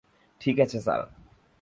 ঠিক আছে, স্যার।